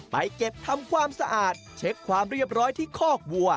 ไปเก็บทำความสะอาดเช็คความเรียบร้อยที่คอกวัว